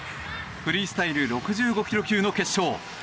フリースタイル６５ｋｇ級の決勝